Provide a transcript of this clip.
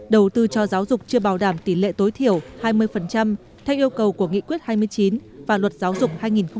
đầu tư cho giáo dục chưa bảo đảm tỷ lệ tối thiểu hai mươi theo yêu cầu của nghị quyết hai mươi chín và luật giáo dục hai nghìn một mươi